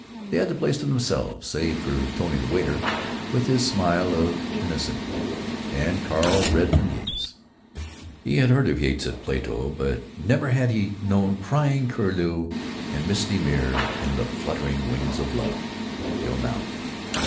They had the place to themselves, save for Tony the waiter, with his smile of benison; and Carl read from Yeats. He had heard of Yeats at Plato, but never had he known crying curlew and misty mere and the fluttering wings of Love till now.